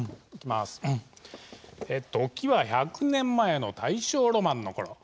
時は１００年前の大正ロマンのころ